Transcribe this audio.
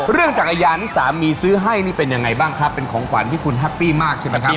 จักรยานที่สามีซื้อให้นี่เป็นยังไงบ้างครับเป็นของขวัญที่คุณแฮปปี้มากใช่ไหมครับ